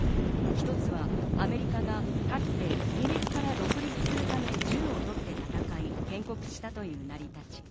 一つはアメリカがかつてイギリスから独立するため銃を取って戦い、建国したという成り立ち。